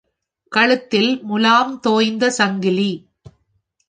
கழுத்தில் முலாம் தோய்ந்த சங்கிலி.